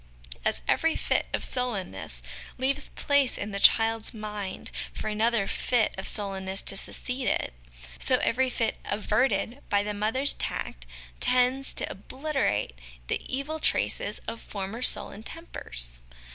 As every fit of sullen ness leaves place in the child's mind for another fit of sullenness to succeed it, so every such fit averted by the mother's tact tends to obliterate the evil traces of former sullen tempers.